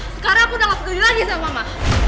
sekarang aku udah langsung ke diri lagi sama mama